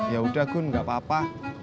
yaudah gun gak apa apa